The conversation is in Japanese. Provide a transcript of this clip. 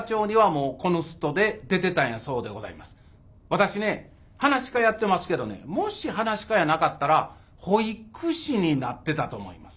私ね噺家やってますけどねもし噺家やなかったら保育士になってたと思います。